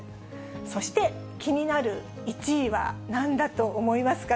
そして、気になる１位はなんだと思いますか？